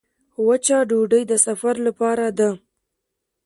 وچه ډوډۍ د سفر لپاره ده.